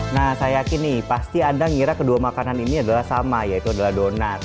nah saya yakin nih pasti anda ngira kedua makanan ini adalah sama yaitu adalah donat